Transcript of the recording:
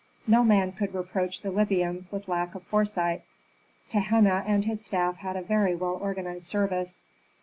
No man could reproach the Libyans with lack of foresight. Tehenna and his staff had a very well organized service.